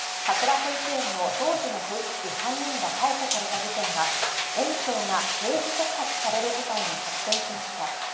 保育園の当時の保育士３人が逮捕された事件は、園長が刑事告発される事態に発展しました。